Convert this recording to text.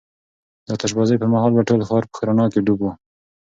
د آتش بازۍ پر مهال به ټول ښار په رڼا کې ډوب و.